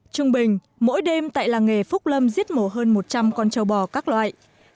trung bình mỗi đêm tại làng nghề phúc lâm giết mổ hơn một trăm linh con trâu bò các loại